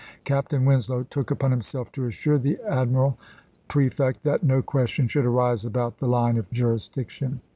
Captain Winslow took upon himself to assure the admiral prefect that no question should arise about the line of jurisdiction.